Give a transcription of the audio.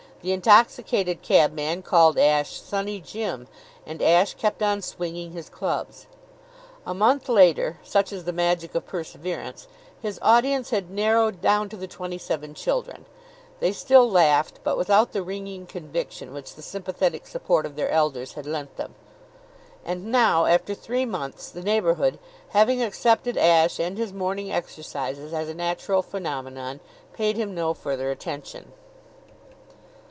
The intoxicated cabman called Ashe "Sunny Jim." And Ashe kept on swinging his clubs. A month later, such is the magic of perseverance, his audience had narrowed down to the twenty seven children. They still laughed, but without that ringing conviction which the sympathetic support of their elders had lent them. And now, after three months, the neighborhood, having accepted Ashe and his morning exercises as a natural phenomenon, paid him no further attention.